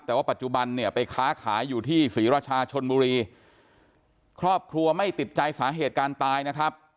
แต่ว่าปัจจุบันเนี่ยไปค้าขายอยู่ที่ศรีราชาชนบุรีครอบครัวไม่ติดใจสาเหตุการตายนะครับ